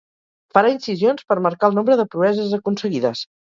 Farà incisions per marcar el nombre de proeses aconseguides.